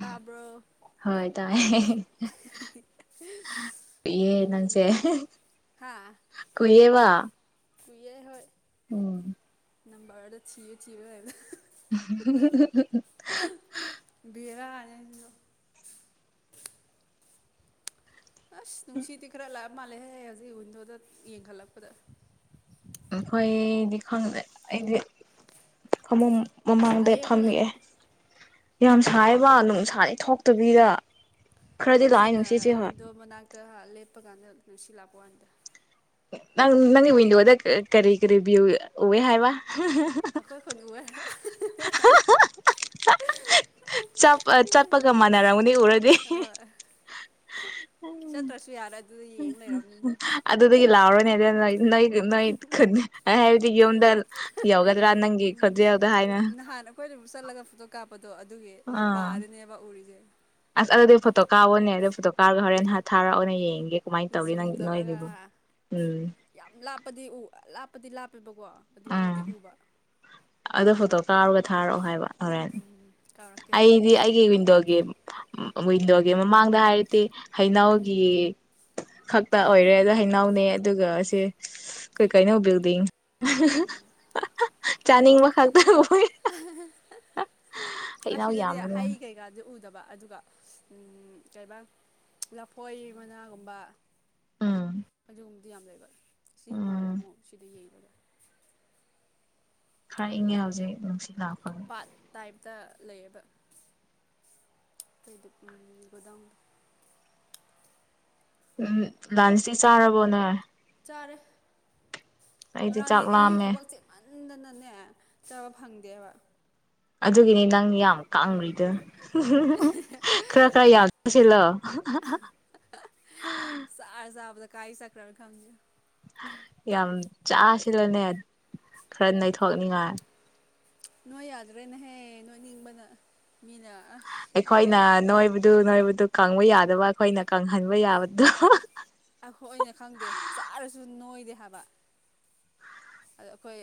ꯇꯥꯕ꯭ꯔꯣ ꯍꯣꯏ ꯇꯥꯏꯦ ꯀꯨꯏꯌꯦ ꯅꯪꯁꯦ ꯎꯝ ꯀꯨꯏꯌꯦꯕ ꯀꯨꯏꯌꯦ ꯍꯣꯏ ꯎꯝ ꯅꯝꯕꯔ ꯊꯤꯎ ꯊꯤꯕ ꯂꯣꯏꯕꯗ [unintelligible] ꯕꯦꯔꯥꯅꯦ ꯁꯤꯁꯨ ꯑꯁ ꯅꯨꯡꯁꯤꯗꯤ ꯈꯔꯥ ꯂꯑ ꯆꯞ ꯃꯥꯜꯂꯦꯍꯦ ꯍꯧꯖꯤꯛ ꯋꯤꯟꯗꯣꯗ ꯌꯦꯡꯈꯠꯂꯛꯄꯗ ꯑꯩꯏꯗꯤ ꯈꯪꯗꯦ ꯑꯩꯗꯤ ꯐꯥꯃꯨꯡ ꯁꯥꯏꯌꯦ ꯃꯃꯥꯡꯗ ꯑꯩꯈꯣꯏꯁꯨ ꯐꯝꯃꯤꯌꯦ ꯌꯥꯝ ꯁꯥꯏꯕ ꯅꯨꯡꯁꯥꯗꯤ ꯊꯣꯛꯇꯕꯤꯗ ꯈꯔꯗꯤ ꯂꯥꯛꯑꯦ ꯍꯧꯖꯤꯛꯅ ꯅꯨꯡꯁꯤꯠꯁꯦ ꯍꯣꯏ ꯋꯤꯟꯗꯣ ꯃꯅꯥꯛꯇ ꯂꯦꯞꯄꯀꯥꯟꯗ ꯅꯨꯡꯁꯤ ꯂꯥꯛꯄ ꯋꯥꯅꯤꯗ ꯅꯪ ꯅꯪ ꯋꯟꯗꯣꯗ ꯀꯔꯤ ꯀꯔꯤ ꯚ꯭ꯌꯨ ꯎꯋꯦ ꯍꯥꯏꯕ ꯑꯩꯈꯣꯏ ꯈꯨꯟ ꯎꯋꯦ ꯆꯠ ꯆꯠꯄꯒ ꯃꯥꯟꯅꯔꯝꯒꯅꯤ ꯎꯔꯗꯤ ꯍꯣꯏ ꯆꯠꯇ꯭ꯔꯁꯨ ꯌꯥꯔꯦ ꯑꯗꯨꯗ ꯌꯦꯡ ꯂꯩꯔꯕꯅꯤꯅ ꯑꯗꯨꯗꯒꯤꯗꯒꯤ ꯂꯥꯎꯔ [unintelligible] ꯅꯣꯏ ꯅꯣꯏ ꯍꯥꯏꯕꯗꯤ ꯌꯨꯝꯗ ꯌꯧꯒꯗ꯭ꯔꯥ ꯅꯪꯒꯤ ꯈꯨꯣꯟꯖꯦꯜꯗ ꯍꯥꯏꯅ ꯅꯍꯥꯟ ꯑꯩꯈꯣꯏꯅ ꯆꯠꯂꯒ ꯐꯣꯇꯣ ꯀꯥꯞꯄꯗꯣ ꯑꯗꯨꯒꯤ ꯑꯥ ꯃꯄꯥꯗꯅꯦꯕ ꯎꯔꯤꯁꯦ ꯑꯁ ꯑꯗꯨꯗꯤ ꯐꯣꯇꯣ ꯀꯥꯎꯅꯦ ꯑꯗꯨ ꯐꯣꯇꯣ ꯀꯥꯔꯒ ꯍꯣꯔꯦꯟ ꯍꯥꯊꯥꯔꯛꯑꯣꯅ ꯌꯦꯡꯒꯦ ꯀꯃꯥꯏꯅ ꯇꯧꯒꯦ ꯖꯨꯝ ꯅꯪ ꯇꯧꯔꯒ ꯅꯣꯏꯒꯤꯕꯨ ꯎꯝ ꯌꯥꯝ ꯂꯥꯞꯄꯗꯤ ꯎ ꯂꯥꯞꯄꯗꯤ ꯂꯥꯞꯄ ꯆꯕꯀꯣ ꯑꯗꯨ ꯎꯝ ꯎꯗꯤ ꯎꯕ ꯑꯗꯣ ꯐꯣꯇꯣ ꯀꯥꯄꯒ ꯊꯥꯔꯛꯑꯣ ꯍꯥꯏꯕ ꯍꯣꯔꯦꯟ ꯎꯝ ꯀꯧꯔꯛꯀꯦ ꯑꯩꯗꯤ ꯑꯩꯒꯤ ꯋꯤꯟꯗꯣꯒꯤ ꯋꯤꯟꯗꯣꯒꯤ ꯃꯃꯥꯡꯗ ꯍꯥꯏꯔꯗꯤ ꯍꯩꯅꯧꯒꯤ ꯈꯛꯇ ꯑꯣꯏꯔꯦ ꯑꯗꯣ ꯍꯩꯅꯥꯎꯅꯦ ꯑꯗꯨꯒ ꯑꯁꯦ ꯀꯩꯀꯥꯏꯅꯣ [unintelligible] ꯑ ꯍꯥ ꯍꯥ ꯍꯥ ꯍꯥ ꯑꯥ ꯍꯥ ꯍꯥ [inaudible] ꯆꯥꯅꯤꯡꯕ ꯈꯛꯇꯪ ꯍꯩꯅꯧ ꯑꯁꯤꯗꯗꯤ ꯌꯥꯝꯕꯗꯣ ꯍꯩ ꯀꯩꯀꯥꯟꯁꯦ ꯎꯗꯕ ꯑꯗꯨꯒ ꯀꯩꯕ ꯂꯐꯣꯏ ꯃꯅꯥꯒꯨꯝꯕ ꯎꯝ ꯑꯗꯨꯒꯨꯝꯕꯗꯤ ꯌꯥꯝ ꯂꯩꯕ ꯁꯤ ꯃꯥꯜ ꯎꯝ ꯑꯃꯨꯛ ꯁꯤꯗ ꯌꯩꯔꯒ ꯈꯔ ꯏꯪꯉꯦ ꯍꯧꯖꯤꯛ ꯅꯨꯡꯁꯤꯠ ꯂꯥꯛ ꯄꯥꯠ ꯇꯥꯏꯝ ꯇ ꯂꯩꯌꯦꯕ ꯑꯩꯈꯣꯏꯗ ꯒꯣ ꯗꯥꯎꯟꯗ [unintelligible] ꯎꯝ ꯂꯟꯁꯇꯤ ꯆꯥꯔꯕꯣꯅꯣꯏ ꯆꯔꯦ ꯑꯩꯗꯤ ꯆꯥꯛ ꯉꯔꯥꯡꯗꯤ ꯑꯩꯒꯤ ꯂꯥꯝꯃꯦ ꯊꯕꯛ ꯆꯦꯞ ꯃꯥꯟꯅ ꯎ ꯅ ꯅꯅꯦ ꯆꯕ ꯐꯪꯗꯦꯕ ꯑꯗꯨꯒꯤꯅꯦ ꯅꯪ ꯌꯥꯝ ꯀꯪ꯭ꯔꯤꯗꯣ ꯍꯨ ꯍꯨ ꯍꯨ ꯈꯔ ꯈꯔ ꯌꯥꯝ ꯆꯁꯤꯂꯣ ꯍꯥ ꯍꯥ ꯍꯥ ꯆꯥꯔ ꯆꯥꯕꯗ ꯀꯥꯏ ꯆꯀ꯭ꯔꯔ ꯈꯖꯦ ꯌꯥꯝ ꯆꯥꯁꯤꯂꯅꯦ ꯈꯔ ꯅꯩꯊꯣꯛꯅꯤꯉꯥꯏ ꯅꯣꯏ ꯌꯥꯗ꯭ꯔꯦꯅꯦꯍꯦ ꯅꯣꯏ ꯅꯤꯡꯕꯅ ꯃꯤꯅ ꯑꯁ ꯑꯩꯈꯣꯏꯅ ꯍꯥꯏꯃꯥꯟꯗꯅ ꯅꯣꯏꯕꯗꯨ ꯅꯣꯏꯕꯗꯨ ꯀꯪꯕ ꯌꯥꯗꯕ ꯑꯩꯈꯣꯏꯅ ꯀꯪꯍꯟꯕ ꯌꯥꯕꯗꯣ ꯑꯩꯈꯣꯏꯅ ꯈꯪꯗꯦ ꯆꯥꯔꯁꯨ ꯅꯣꯏꯗꯦ ꯍꯥꯏꯕ ꯑꯗ ꯑꯩꯈꯣꯏ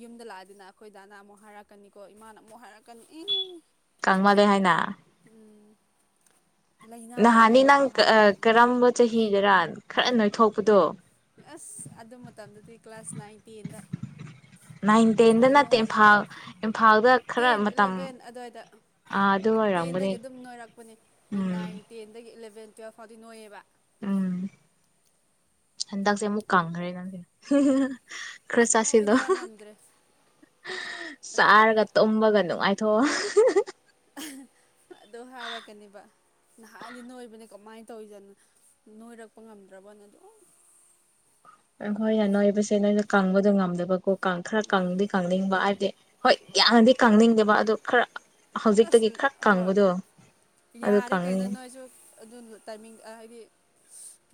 ꯌꯨꯝꯗ ꯂꯥꯛꯑꯗꯅ ꯑꯩꯈꯣꯏ ꯗꯥꯅ ꯑꯃꯨꯛ ꯍꯥꯏꯔꯛꯀꯅꯤꯀꯣ ꯏꯃꯥꯅ ꯑꯃꯨꯛ ꯍꯥꯏꯔꯛꯀꯅꯤ ꯏ ꯀꯥꯡꯃꯂꯦ ꯍꯥꯏꯅ ꯂꯥꯏꯅꯥ ꯅꯥꯍꯟꯅ ꯂꯩꯖꯥꯠꯅꯨꯀꯣ ꯅꯪ ꯑ ꯍꯥꯏꯔꯛꯇꯣꯏꯅꯦ ꯀꯔꯝꯕ ꯆꯍꯤ ꯐꯤꯗꯔꯥꯟ ꯈꯔ ꯅꯣꯏꯊꯣꯛꯄꯗꯣ ꯑꯁ ꯑꯗꯨ ꯃꯇꯝꯗꯗꯤ ꯀ꯭ꯂꯥꯁ ꯅꯥꯏꯟ ꯇꯦꯟꯗ ꯅꯥꯏꯟ ꯇꯦꯟꯗ ꯐꯖꯅ ꯅꯠꯇꯦ ꯅꯣꯏꯌꯦ ꯏꯝꯐꯥꯜ ꯏꯝꯐꯥꯜꯗ ꯈꯔ ꯇꯦꯟ ꯃꯇꯝ ꯏꯂꯚꯦꯟ ꯑꯗꯨꯋꯥꯏꯗ ꯑꯥ ꯑꯗꯨ ꯑꯣꯏꯔꯝꯒꯅꯤ ꯇꯦꯟꯗꯒꯤ ꯑꯗꯨꯝ ꯎꯝ ꯏꯚꯤꯟ ꯇꯨꯌꯦꯞ ꯐꯧꯗꯤ ꯅꯣꯏꯌꯦꯕ ꯍꯟꯗꯥꯛꯁꯦ ꯑꯃꯨꯛ ꯀꯥꯡꯈ꯭ꯔꯦ ꯅ ꯎꯝ ꯈꯔ ꯁꯨꯡꯅꯣꯏ ꯆꯥꯁꯤꯜꯂꯣ ꯅꯣꯏꯔ ꯉꯝꯗ꯭ꯔꯦ ꯑꯗꯨꯒ ꯆꯥꯔꯒ ꯇꯨꯝꯕꯒ ꯅꯨꯡꯉꯥꯏꯇ ꯊꯣ ꯑꯗꯨ ꯍꯥꯏꯔꯛꯀꯅꯦꯕ ꯅꯍꯥꯟꯗꯤ ꯅꯣꯏꯕꯅꯦ ꯀꯃꯥꯏꯅ ꯇꯧꯔꯤꯗꯅꯣ ꯅꯣꯏꯔꯛꯄ ꯉꯝꯗ꯭ꯔꯕꯣꯅ ꯑꯗꯨꯝ ꯑꯈꯣꯏꯅ ꯅꯣꯏꯕꯁꯦ ꯅꯣꯏꯅ ꯀꯪꯕꯗꯣ ꯉꯝꯗꯕꯀꯣ ꯀꯥꯡ ꯈ꯭ꯔ ꯀꯪꯗꯤ ꯀꯪꯅꯤꯡꯕ ꯍꯥꯏꯕꯗꯤ ꯍꯣꯏ ꯌꯥꯝꯅꯗꯤ ꯀꯪꯅꯤꯡꯗꯦꯕ ꯑꯗꯨ ꯈꯔ ꯑꯁ ꯍꯧꯖꯤꯛꯇꯒꯤ ꯈꯔ ꯍꯣꯏ ꯀꯪꯕꯗꯣ ꯑꯗꯨ ꯌꯥꯔꯦ ꯀꯩꯅꯣ ꯀꯪꯅꯤꯡ ꯅꯣꯏꯁꯨ ꯑꯗꯨ ꯇꯥꯏꯃꯤꯡ ꯑ ꯍꯥꯏꯗꯤ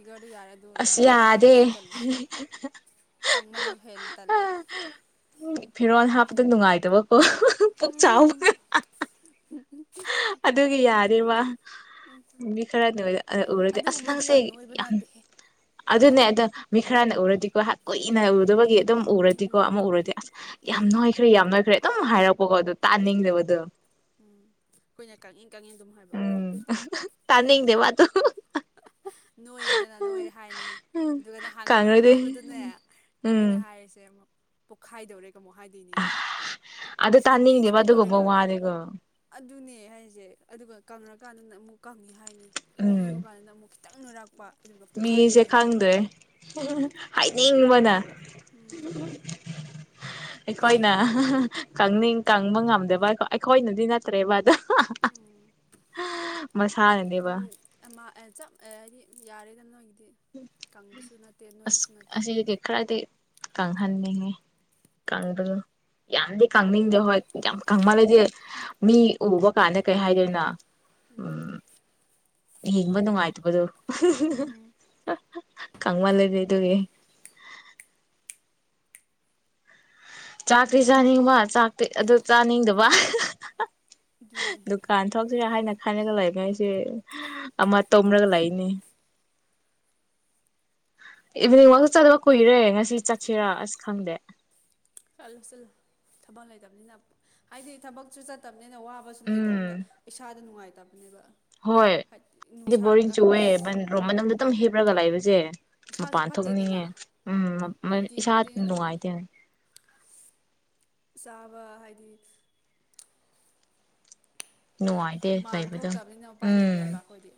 ꯌꯣꯔꯗꯤ ꯌꯥꯔꯦ ꯑꯗꯨꯣ ꯑꯁ ꯅꯣꯏ ꯂꯃꯜ ꯌꯥꯗꯦ ꯂꯁꯨ ꯇꯂꯦ ꯀꯪꯃꯜꯁꯨ ꯍꯦꯟ ꯇꯜꯂꯦ ꯍꯤꯔꯣꯟ ꯍꯥꯞꯄꯇ ꯅꯨꯡꯉꯥꯏꯇꯕ ꯑꯣ ꯍꯣꯍꯣ ꯄꯨꯛ ꯆꯥꯎꯕꯒ ꯍꯥ ꯍꯥ ꯍꯥ ꯑꯗꯨꯒꯤ ꯌꯥ ꯗꯤ ꯋꯥ ꯃꯤ ꯈꯔꯗ ꯑ ꯎꯔꯗꯤ ꯑꯁ ꯑꯗꯨꯒꯨꯝꯕꯗꯤ ꯅꯪꯁ ꯌꯥꯝ ꯅꯣꯏꯕ ꯌꯥꯝ ꯅꯠꯇꯦꯍꯦ ꯑꯗꯨꯅꯦ ꯑꯗꯣ ꯃꯤ ꯈꯔꯅ ꯎꯔꯗꯤꯀꯣ ꯀꯨꯏꯅ ꯎꯗꯕꯒꯤ ꯑꯗꯨꯝ ꯎꯔꯗꯤꯀꯣ ꯎꯝ ꯑꯃ ꯎꯔꯗꯤ ꯑꯁ ꯌꯥꯝ ꯅꯣꯢ ꯆꯨꯢ ꯌꯥꯝ ꯅꯣꯏꯈ꯭ꯔꯦ ꯑꯗꯨꯝ ꯍꯥꯏꯔꯛꯄꯀꯣ ꯑꯗꯨ ꯎꯝ ꯇꯥꯅꯤꯗꯕꯗꯨ ꯑꯩꯈꯣꯏꯅ ꯀꯪꯢ ꯀꯪꯉꯦ ꯑꯗꯨꯝ ꯍꯥꯏꯕ ꯇꯥꯥꯟꯅꯤꯡꯗꯦ ꯋꯥꯠ ꯅꯣꯏꯌꯦꯗꯅ ꯅꯣꯏꯔꯦ ꯍꯥꯏꯅꯤ ꯎꯝ ꯑꯗꯨꯒ ꯅꯍꯥꯟ ꯈꯤꯇꯪ ꯀꯪꯔꯗꯤ ꯅꯣꯏꯕꯗꯨꯅꯦ ꯎꯝ ꯃꯤꯅ ꯍꯥꯏꯔꯤꯁꯦ ꯑꯃꯨꯛ ꯄꯣꯈꯥꯏꯗꯣꯔꯦ ꯑꯃꯨꯛ ꯍꯥꯏꯗꯣꯏꯅꯤꯅꯦ ꯑꯗꯨ ꯁꯤꯟꯇꯦꯛꯁ ꯇꯥꯅꯤꯡꯗꯦꯕ ꯑꯗꯨꯒꯨꯝꯕ ꯑꯣꯟꯗꯧꯔꯦꯒ ꯋꯥꯗꯤꯀꯣ ꯑꯗꯨꯅꯦ ꯍꯥꯏꯁꯦ ꯑꯗꯨꯒ ꯀꯪꯔꯛ ꯀꯥꯟꯅꯅ ꯑꯃꯨꯛ ꯀꯪꯉꯤ ꯍꯥꯏꯅꯤ ꯎꯝ ꯅꯣꯢꯕ ꯀꯥꯟꯗꯅ ꯃꯨꯛ ꯇꯪꯅꯔꯛꯄ ꯃꯤꯁꯦ ꯈꯪꯗꯦ ꯍꯦ ꯍꯦ ꯍꯦ ꯍꯥꯏꯅꯤꯡꯕꯅ ꯎꯝ ꯑꯩꯈꯣꯢꯅ ꯍꯥ ꯍꯥ ꯀꯪꯅꯤꯡ ꯀꯪꯕ ꯉꯝꯗꯕ ꯀꯣ ꯑꯩꯈꯣꯏꯅꯗꯤ ꯅꯠꯇ꯭ꯔꯦꯕ ꯑꯗꯣ ꯎꯝ ꯃꯁꯥꯅꯅꯦꯕ ꯎꯝ ꯑꯃ ꯑꯦ ꯆꯞ ꯑ ꯍꯥꯢꯗꯤ ꯌꯥꯔꯦꯗꯥ ꯅꯣꯢ ꯍꯥꯏꯗꯤ ꯀꯪꯕꯁꯨ ꯅꯠꯇꯦ ꯅꯣꯏꯕꯁꯨ ꯅꯠꯇꯦ ꯀꯪꯍꯟꯅꯤꯡꯉꯦ ꯀꯪꯕꯗꯨ ꯌꯥꯝꯗꯤ ꯀꯪꯅꯤꯡꯗꯦ ꯍꯣꯏ ꯌꯥꯝ ꯀꯪꯃꯜꯂꯗꯤ ꯃꯤ ꯎꯕ ꯀꯥꯟꯗ ꯀꯩ ꯍꯥꯏꯗꯣꯏꯅꯣ ꯎꯝ ꯍꯤꯡꯕ ꯅꯨꯉꯥꯢ ꯕꯗꯨ ꯎꯍꯝ ꯍꯝ ꯍ ꯈꯪꯃꯟꯂꯤꯅꯦ ꯑꯗꯨꯒꯤ ꯆꯥꯛꯇꯤ ꯆꯥꯅꯤꯡꯕ ꯆꯥꯛꯇꯣ ꯑꯗꯣ ꯆꯥꯅꯤꯡꯗꯕ ꯍꯥ ꯍꯥ ꯍꯥ ꯑꯗꯨꯅꯦ ꯗꯨꯀꯥꯟ ꯊꯣꯛꯁꯤꯔ ꯍꯥꯏꯅ ꯍꯥꯏꯔꯒꯥ ꯂꯩꯗꯣꯏꯁꯦ ꯑꯃꯥ ꯇꯨꯝꯃꯒꯥ ꯂꯩꯅꯤ ꯏꯚꯤꯅꯤꯡ ꯋꯥ꯭ꯔꯛ ꯆꯠꯂ ꯀꯨꯏꯔꯦ ꯉꯁꯤ ꯆꯠꯁꯤꯔ ꯑꯁ ꯈꯪꯗꯦ ꯆꯠꯂꯨ ꯆꯠꯂꯨ ꯊꯕꯛ ꯂꯩꯇꯕꯅꯤꯅ ꯍꯥꯏꯗꯤ ꯊꯕꯛꯁꯨ ꯆꯠꯇꯕ ꯅꯣꯏꯅ ꯋꯥꯕꯁꯨ ꯂꯩꯇꯕꯅꯤꯅ ꯎꯝ ꯏꯁꯥꯗ ꯅꯨꯡꯉꯥꯏꯇꯕ ꯍꯣꯏ ꯑꯩꯗꯤ ꯕꯣꯔꯤꯡ ꯆꯨꯏꯑꯦ ꯕꯟꯔꯨꯝ ꯃꯅꯨꯡꯗ ꯎꯝ ꯑꯗꯨꯝ ꯍꯤꯞꯂꯒ ꯂꯩꯕꯁꯦ ꯏꯁꯥꯁꯨ ꯃꯄꯥꯟ ꯐꯠꯇꯦꯗꯅ ꯊꯣꯛꯅꯤꯡꯉꯦ ꯎꯝ ꯎꯝ ꯅꯨꯡꯇꯤ ꯏꯁꯥ ꯈꯨꯗꯤꯡ ꯑꯗꯨꯝ ꯅꯨꯡꯉꯥꯏꯇꯦ ꯆꯥꯕ ꯍꯥꯏꯗꯤ ꯅꯨꯡꯉꯥꯏꯇꯦ ꯍꯨꯃꯥꯡ ꯂꯩꯕꯗꯣ ꯊꯣꯛꯇꯕꯅꯤꯅ ꯎꯄꯥꯏ ꯂꯩꯇꯦꯕ ꯎꯝ ꯑꯩꯈꯣꯏꯗꯤ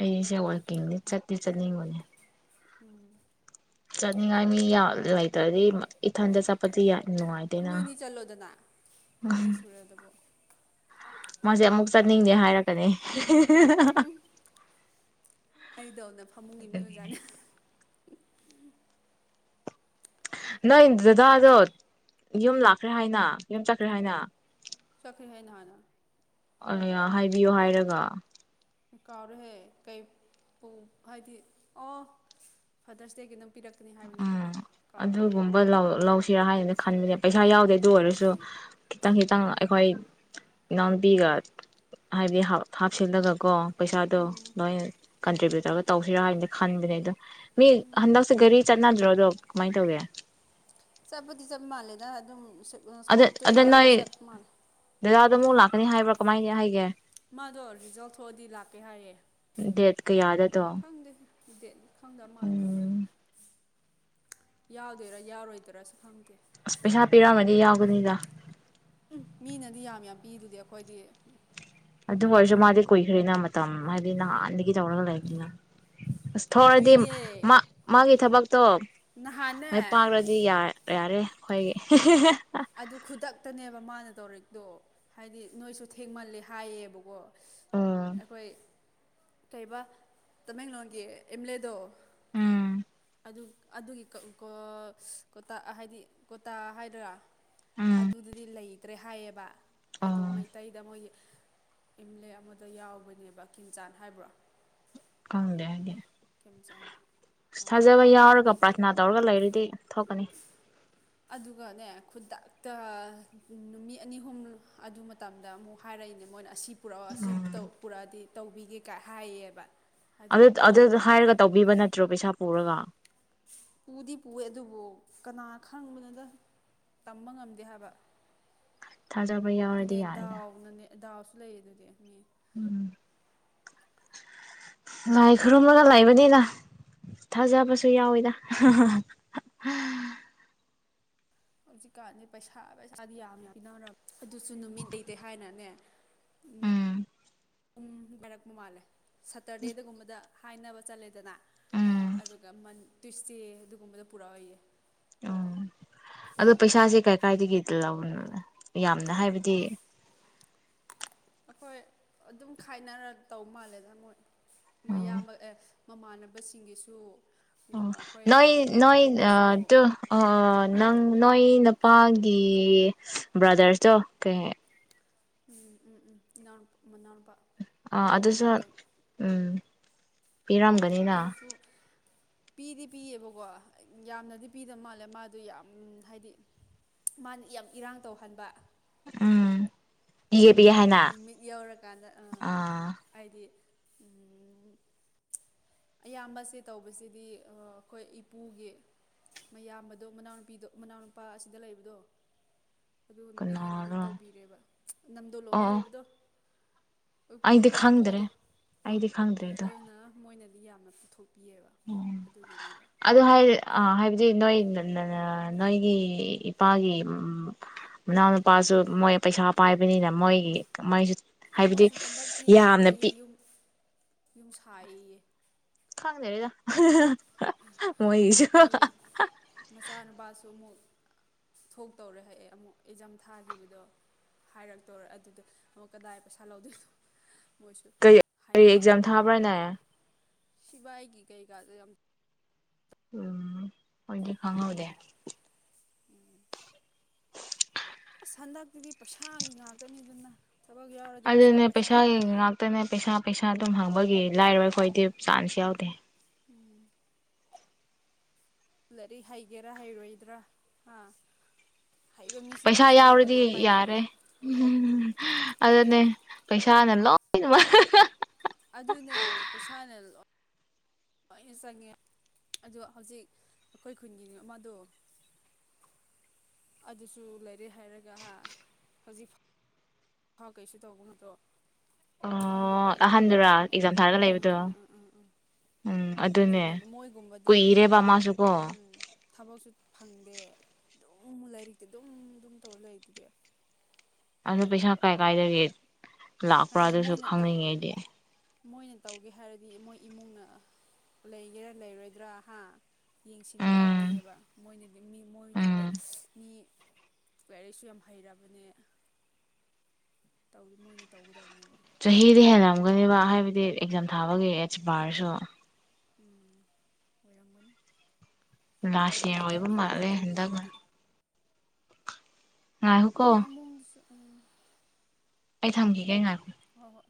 ꯑꯩꯁꯦ ꯋꯥ꯭ꯔꯀꯤꯡꯗꯤ ꯆꯠꯇꯤ ꯆꯠꯅꯤꯡꯕꯅꯦ ꯎꯝ ꯆꯠꯅꯤꯡꯉꯥꯏ ꯃꯤ ꯌꯥꯎ ꯂꯩꯇ꯭ꯔꯗꯤ ꯏꯊꯟꯗ ꯆꯠꯄꯗꯤ ꯌꯥꯏ ꯅꯣꯏꯅꯤ ꯆꯠꯂꯣꯗꯅ ꯑꯅꯤ ꯁꯨꯔꯗꯨꯕꯣ ꯃꯥꯁꯦ ꯑꯃꯨꯛ ꯆꯠꯅꯤꯡꯗꯦ ꯍꯥꯏꯔꯛꯀꯅꯤ ꯍꯤꯍꯤ ꯎꯝ ꯑꯩꯗꯧꯅ ꯐꯃꯨꯡꯒꯤ ꯃꯤ ꯑꯗꯨꯒꯤꯅꯦ ꯑꯣꯖꯥꯠꯅꯤ ꯅꯣꯏ ꯗꯗꯥꯗꯣ ꯌꯨꯝ ꯂꯥꯛꯈ꯭ꯔꯦ ꯍꯥꯏꯅ ꯌꯨꯝ ꯆꯠꯈ꯭ꯔꯦ ꯍꯥꯏꯅ ꯆꯠꯈ꯭ꯔꯦ ꯍꯥꯏ ꯅꯍꯥꯟꯅ ꯑꯩꯌꯥ ꯍꯥꯏꯕꯤꯌꯣ ꯍꯥꯏꯔꯒ ꯀꯥꯎꯔꯨꯍꯦ ꯀꯩ ꯄꯨ ꯍꯥꯏꯗꯤ ꯑꯣ ꯐꯥꯗꯔꯁ ꯗꯦꯒꯤ ꯅꯪ ꯄꯤꯔꯛꯀꯅꯤ ꯍꯥꯏꯕꯅꯤꯀꯣ ꯎꯝ ꯀꯥꯎꯔꯦ ꯑꯗꯨꯒꯨꯝꯕ ꯂꯧ ꯂꯧꯁꯤꯔ ꯍꯥꯏꯅ ꯈꯟꯕꯅꯦ ꯄꯩꯁꯥ ꯌꯥꯎꯗꯦ ꯑꯗꯨ ꯑꯣꯏꯔꯁꯨ ꯈꯤꯇꯪ ꯈꯤꯇꯪ ꯑꯩꯈꯣꯏ ꯏꯅꯥꯎꯅꯨꯄꯤꯒ ꯍꯥꯏꯗꯤ ꯍꯥꯞ ꯍꯥꯞꯆꯤꯜꯂꯒꯀꯣ ꯄꯩꯁꯥꯗꯣ ꯃꯥꯏ ꯀꯟꯇ꯭ꯔꯦꯛꯇꯥ ꯊꯕꯛ ꯇꯧꯁꯤꯔꯥ ꯍꯥꯏꯅꯗꯤ ꯈꯟꯕꯅꯦꯑꯗꯣ ꯃꯤ ꯍꯟꯗꯛꯁꯦ ꯒꯥꯔꯤ ꯆꯠꯅꯗ꯭ꯔꯣ ꯑꯗꯨꯝ ꯀꯃꯥꯏ ꯇꯧꯒꯦ ꯆꯠꯄꯗꯤ ꯆꯠ ꯃꯥꯜꯂꯦꯗ ꯑꯗꯨꯝ ꯆꯠ ꯑꯗ ꯁꯀꯣꯠꯇꯨ ꯌꯥꯎꯔꯒ ꯆꯠ ꯃꯥꯥꯟꯂꯦ ꯑꯗꯨ ꯑꯃꯨꯛ ꯂꯥꯛꯀꯅꯤ ꯍꯥꯏꯕ꯭ꯔꯣ ꯀꯃꯥꯏꯅ ꯍꯥꯏꯒꯦ ꯃꯥꯗꯣ ꯔꯤꯖꯜ ꯊꯣꯛꯑꯗꯤ ꯂꯥꯛꯀꯦ ꯍꯥꯏꯌꯦ ꯗꯦꯠ ꯀꯌꯥꯗꯗꯣ ꯈꯪꯗꯦ ꯗꯦꯠ ꯈꯪꯗ ꯃꯥꯂꯦ ꯎꯝ ꯌꯥꯎꯗꯨꯢꯔ ꯌꯥꯎꯔꯣꯏꯗꯨꯔꯁꯨ ꯈꯪꯗꯦ ꯑꯁ ꯄꯩꯁꯥ ꯄꯤꯔꯛꯑꯝꯃꯗꯤ ꯌꯥꯎꯒꯅꯤꯗ ꯎꯝ ꯃꯤꯅꯗꯤ ꯌꯥꯝ ꯌꯥꯝ ꯄꯤꯗꯨꯗꯤ ꯑꯩꯈꯣꯏꯗꯤ ꯑꯗꯨ ꯑꯣꯏꯔꯁꯨ ꯃꯥꯗꯤ ꯀꯨꯏꯈ꯭ꯔꯦꯅ ꯃꯇꯝ ꯍꯥꯏꯕꯗꯤ ꯅꯍꯥꯟꯗꯒꯤ ꯇꯧꯔꯒ ꯂꯩꯕꯅꯤꯅ ꯑꯁ ꯊꯧꯔꯗꯤ ꯀꯨꯏꯗꯦ ꯃꯥ ꯃꯥꯒꯤ ꯊꯕꯛ ꯇꯣ ꯅꯍꯥꯟꯅꯦ ꯃꯥꯏ ꯄꯥꯛꯂꯗꯤ ꯌꯥ ꯌꯥꯔꯦ ꯍꯣꯏꯍꯦ ꯑꯗꯨ ꯈꯨꯗꯛꯇꯅꯦꯕ ꯃꯥꯅ ꯇꯧꯔꯤꯛꯇꯣ ꯍꯥꯏꯗꯤ ꯅꯣꯏꯁꯨ ꯊꯦꯡꯃꯜꯂꯦ ꯍꯥꯏꯌꯦꯕꯀꯣ ꯎꯝ ꯑꯩꯈꯣꯏ ꯀꯩꯕꯥ ꯇꯃꯦꯡꯂꯣꯡꯒꯤ ꯑꯦꯝ ꯑꯦꯜ ꯑꯦꯗꯣ ꯎꯝ ꯑꯗꯨ ꯑꯗꯨꯒꯤꯀꯥ ꯍꯥꯏꯗꯤ ꯀꯣꯇꯥ ꯍꯥꯏꯗꯣꯔꯥ ꯎꯝ ꯑꯗꯨꯗꯗꯤ ꯂꯩ ꯇ꯭ꯔꯦ ꯍꯥꯏꯌꯦꯕ ꯑꯗꯣ ꯑꯣ ꯃꯩꯇꯩꯗ ꯃꯣꯏꯒꯤ ꯑꯦꯝꯂ ꯑꯦ ꯑꯃꯗ ꯌꯥꯎꯕꯅꯦꯕ ꯈꯦꯝꯆꯥꯟ ꯍꯥꯏꯕ꯭ꯔꯣ ꯀꯪꯗ ꯑꯩꯗꯤ ꯈꯦꯝꯆꯥꯟ ꯊꯥꯖꯕ ꯌꯥꯎꯔꯒ ꯄ꯭ꯔꯥꯊꯅꯥ ꯇꯧꯔꯒ ꯂꯩꯔꯗꯤ ꯊꯣꯛꯀꯅꯤ ꯑꯗꯨꯒꯅꯦ ꯈꯨꯗꯛꯇ ꯅꯨꯃꯤꯠ ꯑꯅꯤ ꯑꯍꯨꯝ ꯑꯗꯨ ꯃꯇꯝꯗ ꯑꯃꯨꯛ ꯍꯥꯏꯔꯛꯏꯅꯦ ꯃꯣꯏꯅ ꯑꯁꯤ ꯄꯨꯔꯥ ꯑꯁꯤꯞ ꯇꯧ ꯄꯨꯔꯥꯗꯤ ꯇꯧꯕꯤꯒꯦ ꯀ ꯍꯥꯏꯌꯦꯕ ꯑꯗꯨ ꯑꯗꯨ ꯍꯥꯏꯔꯒ ꯇꯧꯕꯤꯕ ꯅꯠꯇ꯭ꯔꯣ ꯄꯩꯁꯥ ꯄꯨꯔꯒ ꯄꯨꯗꯤ ꯄꯨꯑꯦ ꯑꯗꯨꯕꯨ ꯀꯅꯥ ꯈꯪꯕꯅꯣꯅꯗ ꯇꯝꯕ ꯉꯝꯗꯦ ꯍꯥꯏꯕ ꯊꯥꯖꯕ ꯌꯥꯎꯔꯗꯤ ꯑꯗꯨꯅꯦ ꯌꯥꯔꯦꯗ ꯗꯥꯎꯅꯅꯦ ꯗꯥꯎꯁꯨ ꯂꯩꯌꯦ ꯑꯗꯨꯗꯤ ꯃꯤ ꯎꯝ ꯂꯥꯏ ꯈꯨꯔꯨꯝꯃꯒ ꯂꯩꯕꯅꯤꯅ ꯊꯥꯖꯕꯁꯨ ꯌꯥꯎꯋꯤꯗ ꯍꯥꯍꯥꯍꯥ ꯍꯥꯍꯥ ꯍꯧꯖꯤꯛꯀꯥꯟꯗꯤ ꯄꯩꯁꯥ ꯄꯩꯁꯥꯗꯤ ꯌꯥꯝꯅ ꯄꯤꯅꯔꯝꯅꯦ ꯑꯗꯨꯁꯨ ꯅꯨꯃꯤꯠ ꯂꯩꯇꯦ ꯍꯥꯏꯅꯅꯦ ꯎꯝ ꯑꯗꯨꯝ ꯍꯥꯏꯔꯛꯄ ꯃꯥꯜꯂꯦ ꯁꯇꯔꯗꯦꯗꯒꯨꯝꯕꯗ ꯍꯥꯏꯅꯕ ꯆꯠꯂꯦꯗꯅ ꯎꯝ ꯑꯗꯨꯒ ꯇ꯭ꯨꯢꯁꯗꯦ ꯑꯗꯨꯒꯨꯝꯕꯗ ꯄꯨꯔꯛꯑꯣꯏꯌꯦ ꯎꯝ ꯑꯗꯣ ꯄꯩꯁꯥꯁꯦ ꯀꯥꯏ ꯀꯥꯏꯗꯒꯤ ꯂꯧꯅꯣ ꯌꯥꯝꯅ ꯍꯥꯏꯕꯗꯤ ꯑꯩꯈꯣꯏ ꯑꯗꯨꯝ ꯈꯥꯏꯅꯔ ꯇꯧ ꯃꯥꯜꯂꯦꯗ ꯃꯣꯏ ꯎꯝ ꯃꯌꯥꯝꯕ ꯑꯦ ꯃꯃꯥꯟꯅꯕꯁꯤꯡꯒꯤꯁꯨ ꯑꯣ ꯑꯗꯨꯒ ꯑꯩꯈꯣꯏ ꯅꯣꯏ ꯅꯣꯏ ꯑ ꯏꯄꯨꯒꯤꯁꯨ ꯇꯨ ꯑ ꯅꯪ ꯅꯣꯏ ꯅꯨꯄꯥꯒꯤ ꯕ꯭ꯔꯥꯗꯔꯇꯣ ꯀꯩ ꯍꯥꯏ ꯎꯝ ꯎꯝ ꯎꯝ ꯅꯥꯟ ꯃꯨꯅꯥꯟ ꯑꯥ ꯑꯗꯨꯗꯁꯨ ꯎꯝ ꯄꯤꯔꯝꯒꯅꯤꯅ ꯑꯗꯨꯁꯨ ꯄꯤꯗꯤ ꯄꯤꯌꯦꯕꯀꯣ ꯌꯥꯝꯅꯗꯤ ꯄꯤꯗꯕ ꯃꯥꯜꯂꯦ ꯃꯥꯗ ꯌꯥꯝ ꯍꯥꯏꯗꯤ ꯃꯥꯅ ꯌꯥꯝ ꯏꯔꯥꯡ ꯇꯧꯍꯟꯕ ꯎꯝ ꯄꯤꯒꯦ ꯄꯤꯒꯦ ꯍꯥꯏꯅ ꯅꯨꯃꯤꯠ ꯌꯧꯔꯀꯥꯟꯗ ꯑꯥ ꯍꯥꯏꯗꯤ ꯑꯌꯥꯝꯕꯁꯦ ꯇꯧꯕꯁꯤꯗꯤ ꯑꯩꯈꯣꯏ ꯏꯄꯨꯒꯤ ꯃꯌꯥꯝꯕꯗꯣ ꯃꯅꯥꯎꯅꯨꯄꯤꯗꯣ ꯃꯅꯥꯎꯅꯨꯄꯥ ꯑꯁꯤꯗ ꯂꯩꯕꯗꯣ ꯑꯗꯨꯅ ꯍꯦꯟꯅꯗꯤ ꯀꯅꯥꯔꯣ ꯑꯣ ꯇꯧꯕꯤꯔꯦꯕ ꯅꯝꯗꯣꯂꯣꯡꯗ ꯑꯣ ꯂꯩꯕꯗꯣ꯫ ꯑꯩꯗꯤ ꯑꯩꯈꯣꯏ ꯈꯪꯗ꯭ꯔꯦ ꯏꯄꯨꯗꯣ ꯑꯩꯗꯤ ꯑꯗꯨꯅ ꯃꯣꯏꯅ ꯌꯥꯝꯅ ꯄꯨꯊꯣꯛ꯫ ꯎꯝ ꯑꯗꯨ ꯍꯥꯏ ꯑ ꯍꯥꯏꯕꯗꯤ ꯅꯣꯏ꯫ ꯅꯅ ꯅꯣꯏꯒꯤ ꯏꯄꯥꯒꯤ ꯃ ꯃꯅꯥꯎꯅꯨꯄꯥꯁꯨ ꯃꯣꯏ ꯄꯩꯁꯥ ꯄꯥꯏꯕꯅꯤꯅ ꯃꯣꯏꯒꯤ ꯃꯥꯏꯁꯨ ꯃꯣꯏꯁꯨ ꯍꯟꯗꯛꯇꯤ ꯂꯩꯇꯦꯌꯦ ꯌꯨꯝ꯫ ꯌꯨꯝ ꯁꯥꯏꯌꯦꯌꯦ꯫ ꯈꯪꯗ꯭ꯔꯦꯗ ꯍꯥ ꯍꯥ ꯍꯥ ꯑꯗꯨꯒ ꯃꯆꯥꯅꯨꯄꯥꯁꯨ ꯑꯃꯨꯛ꯫ ꯊꯣꯛꯇꯧꯔꯦ ꯍꯥꯏꯑꯦ ꯑꯃꯨꯛ ꯑꯦꯛꯖꯥꯝ ꯊꯥꯈꯤꯕꯗꯣ ꯍꯥꯏꯔꯛꯇꯧꯔꯦ ꯑꯗꯨꯗ ꯑꯃꯨꯛ ꯀꯗꯥꯏ ꯄꯩꯁꯥ ꯂꯧꯗꯣꯏꯅꯣ꯫ ꯃꯣꯏꯁꯨ ꯀ ꯀꯔꯤ ꯍꯥꯏꯅ ꯑꯦꯛꯖꯥꯝ ꯂꯩꯕꯅꯦ ꯊꯥꯕ꯭ꯔꯥꯅꯦ꯫ ꯁꯤꯕꯥꯏꯒꯤ ꯀꯩꯀꯥꯗꯣ ꯌꯥꯝ ꯎꯝ ꯈꯣꯏꯗꯤ ꯈꯪꯍꯧꯗꯦ꯫ [inaudible] ꯍꯟꯗꯛꯇꯨꯗꯤ ꯄꯩꯁꯥꯒꯤ ꯉꯥꯛꯇꯅꯤꯗꯅ꯫ ꯊꯕꯛ ꯌꯥꯎꯔꯗꯤ ꯄꯩꯁꯥ ꯑꯗꯨꯗꯅꯦ ꯄꯦꯁꯥꯥꯒꯤ ꯄꯩꯁꯥꯗꯨꯅꯤ ꯉꯥꯛꯇꯅꯦ꯫ ꯄꯩꯁꯥ ꯄꯩꯁꯥ ꯑꯗꯨꯝ ꯍꯪꯕꯒꯤ ꯂꯥꯏꯔꯕ ꯑꯩꯈꯣꯏꯗꯤ ꯆꯥꯟꯁ ꯌꯥꯎꯗꯦ꯫ ꯎꯝ꯫ ꯂꯩꯔꯤꯛ ꯍꯩꯒꯦꯔꯥ ꯍꯩꯔꯣꯏꯗ꯭ꯔꯥ ꯑꯥ꯫ ꯄꯩꯁꯥ ꯌꯥꯎꯔꯗꯤ ꯌꯥꯔꯦ ꯎꯝ ꯍꯥꯍꯍꯨꯝ ꯑꯗꯨꯅꯦ ꯄꯩꯁꯥꯅ ꯂꯣꯏ ꯅꯃꯛ ꯍꯥꯍꯍꯥ ꯑꯗꯨꯅꯦ ꯄꯩꯁꯥꯅ ꯂꯣ ꯂꯣꯏꯅ ꯆꯪꯉꯦ ꯑꯗꯣ ꯍꯧꯖꯤꯛ ꯑꯩꯈꯣꯏ ꯈꯨꯟꯒꯤꯅꯤ ꯑꯃꯗꯣ꯫ ꯑꯗꯨꯁꯨ ꯂꯩꯔꯤꯛ ꯍꯩꯔꯒ ꯍꯥ ꯍꯧꯖꯤꯛꯐ ꯍꯥ ꯀꯩꯁꯨ ꯇꯧꯕ ꯉꯠꯇ꯭ꯔꯣ꯫ ꯑꯣ ꯑꯍꯟꯗꯨꯔꯥ ꯑꯦꯛꯖꯥꯝ ꯊꯥꯔꯒ ꯎꯝ ꯂꯩꯕꯗꯣ ꯎꯝ ꯎꯝ ꯎꯝ ꯎꯝ ꯎꯝ ꯑꯗꯨꯅꯦ ꯑꯗꯨꯅꯦꯕ ꯃꯣꯏꯒꯨꯝꯕꯗꯤ ꯀꯨꯏꯔꯦꯕ ꯃꯥꯁꯨꯀꯣ꯫ ꯎꯝ ꯊꯕꯛꯁꯨ ꯐꯪꯗꯦ ꯑꯗꯨꯝ ꯂꯥꯏꯔꯤꯛꯇꯤ ꯑꯗꯨꯝ ꯑꯗꯨꯝ ꯇꯧꯔ ꯂꯩ ꯑꯗꯨꯗꯤ꯫ ꯑꯗꯨꯗ ꯄꯩꯁ ꯀꯥꯏ꯫ ꯀꯥꯏꯗꯒꯤ꯫ ꯂꯥꯛꯄ꯭ꯔꯥ ꯍꯥꯏꯅ ꯑꯗꯨꯁꯨ ꯃꯣꯏꯅ ꯈꯪꯅꯤꯡꯉꯤꯗꯤ ꯑꯩꯗꯤ꯫ ꯃꯣꯏꯅ ꯇꯧꯒꯦ ꯍꯥꯏꯔꯗꯤ ꯃꯣꯏ ꯏꯃꯨꯡꯅ ꯂꯩꯒꯦꯔꯥ ꯂꯩꯔꯣꯏꯗ꯭ꯔꯥ ꯍꯥ ꯌꯦꯡꯁꯤꯟꯕ ꯎꯝ ꯇꯥꯕꯅꯦꯕ ꯃꯣꯏꯅꯗꯤ ꯃꯤ ꯃꯣꯏꯗꯤ ꯎꯝ ꯃꯤ ꯂꯥꯏꯔꯤꯛꯁꯨ ꯌꯥꯝ ꯍꯩꯔꯕꯅꯦ꯫ ꯇꯧꯗꯤ ꯃꯣꯏꯅ ꯇꯧꯒꯗꯕꯅꯦ꯫ ꯆꯍꯤꯗꯤ ꯍꯦꯜꯂꯝꯝꯒꯅꯦꯕ ꯍꯥꯏꯕꯗꯤ ꯑꯦꯛꯖꯥꯝ ꯊꯥꯕꯒꯤ ꯑꯦꯠꯁ ꯕꯥꯔꯁꯨ꯫ ꯎꯝ ꯑꯣꯏꯔꯝꯒꯅꯤ꯫ ꯂꯥꯁꯌꯔ ꯇꯧꯕꯒꯤ ꯑꯣꯏꯕ ꯇꯥꯏꯃꯤꯡꯗꯨꯗ ꯃꯥꯜꯂꯦ ꯍꯟꯇꯛꯅ꯫ ꯇꯧꯕꯤꯗ꯭ꯔꯗꯤ ꯃꯣꯏ ꯏꯃꯨꯡꯗꯨꯁꯨ꯫ ꯎꯝ ꯑꯩ ꯊꯝꯈꯤꯒꯦ ꯉꯥꯏ꯫ ꯍꯣꯏ ꯍꯣꯏ